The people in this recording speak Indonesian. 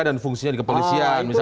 dan fungsinya di kepolisiannya